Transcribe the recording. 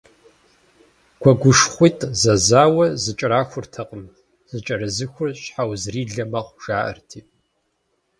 Гуэгушыхъуитӏ зэзауэ зэкӏэрахуртэкъым, зэкӏэрызыхур щхьэузрилэ мэхъу, жаӏэрти.